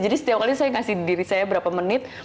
jadi setiap kali saya kasih diri saya berapa menit